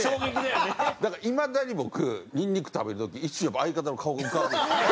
だからいまだに僕にんにく食べる時一瞬相方の顔が浮かぶんですよ。